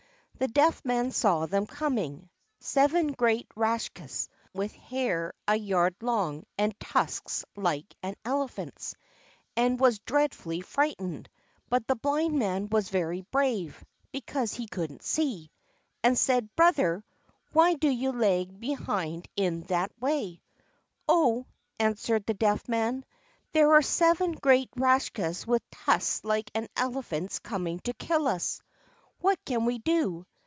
The Deaf Man saw them coming (seven great Rakshas, with hair a yard long and tusks like an elephant's), and was dreadfully frightened; but the Blind Man was very brave (because he couldn't see), and said: "Brother, why do you lag behind in that way?" "Oh!" answered the Deaf Man, "there are seven great Rakshas with tusks like an elephant's coming to kill us! What can we do?"